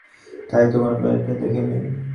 তার তো কোনো বইয়ে এটা দেখি নি।